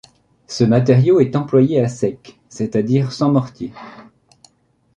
Ce matériau est employé à sec, c’est-à-dire sans mortier.